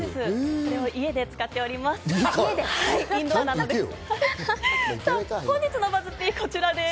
それを家で使っています。